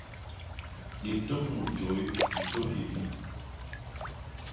Litôp mut jôy, litôp hyémbi.